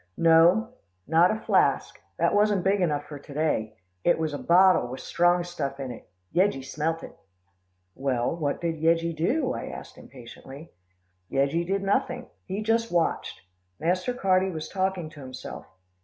"No, not a flask; that wasn't big enough for to day. It was a bottle with strong stuff in it Yeggie smelt it." "Well, what did Yeggie do?" I asked impatiently. "Yeggie did nothing. He just watched. Master Carty was talking to himself.